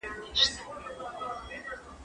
درسونه واوره،